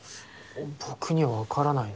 僕には分からないな。